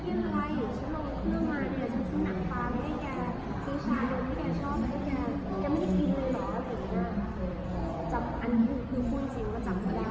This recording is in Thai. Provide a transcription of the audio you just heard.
เขาบอกว่าไม่มีเยี่ยมอะไรฉันมาเมื่อมาเนี่ยฉันช่วยหนักฟังให้แก